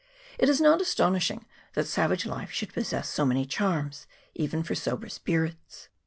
It is not astonishing that savage life should possess so many charms even for sober spirits.